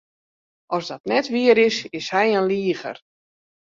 As dat net wier is, is hy in liger.